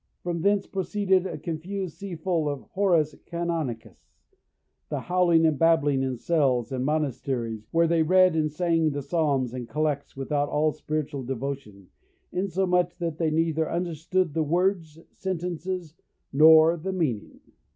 From thence proceeded a confused sea full of Horas Canonicas, the howling and babbling in cells and monasteries, where they read and sang the psalms and collects without all spiritual devotion, insomuch that they neither understood the words, sentences, nor the meaning.